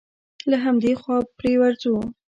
له همدې خوا پرې ورځو.